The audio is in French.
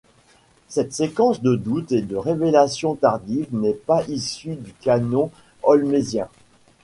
Cette séquence de doute et de révélation tardive n'est pas issue du Canon holmésien.